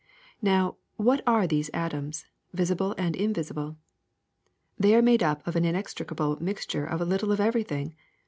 '' Now, what are these atoms, visible and invisible ? They are made up of an inextricable mixture of a little of everything.